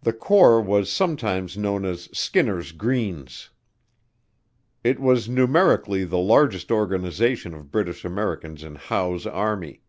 The corps was sometimes known as "Skinner's Greens." It was numerically the largest organization of British Americans in Howe's army.